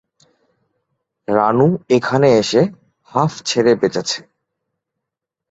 রানু এখানে এসে হাঁফ ছেড়ে বেঁচেছে।